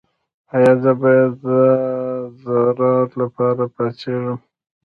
ایا زه باید د ادرار لپاره پاڅیږم؟